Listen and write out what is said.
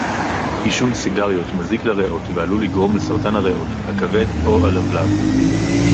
עישון סיגריות מזיק לריאות ועלול לגרום לסרטן הריאות, הכבד או הלבלב